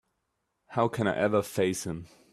How can I ever face him?